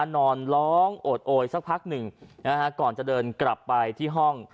นอนร้องโอดโอยสักพักหนึ่งก่อนจะเดินกลับไปที่ห้อง